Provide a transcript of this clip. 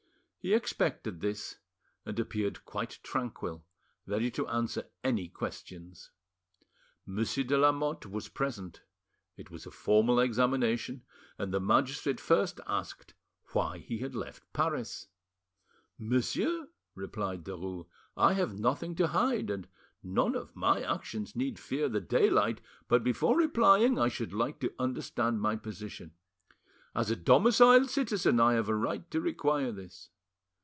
He expected this, and appeared quite tranquil, ready to answer any questions. Monsieur de Lamotte was present. It was a formal examination, and the magistrate first asked why he had left Paris. "Monsieur," replied Derues, "I have nothing to hide, and none of my actions need fear the daylight, but before replying, I should like to understand my position. As a domiciled citizen I have a right to require this.